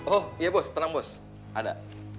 oh iya bos tenang bos ada